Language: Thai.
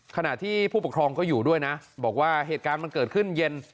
ขณะที่ผู้ปกครองก็อยู่ด้วยนะบอกว่าเหตุการณ์มันเกิดขึ้นเย็น